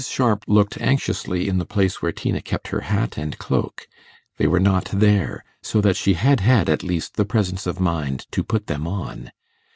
Sharp looked anxiously in the place where Tina kept her hat and cloak; they were not there, so that she had had at least the presence of mind to put them on.